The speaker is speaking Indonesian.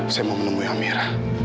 saya mau menemui amirah